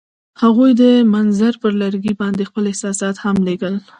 هغوی د منظر پر لرګي باندې خپل احساسات هم لیکل.